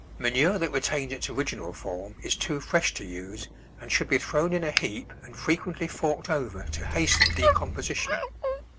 Manure that retains its original form is too fresh to use and should be thrown in a heap and frequently forked over to hasten decomposition.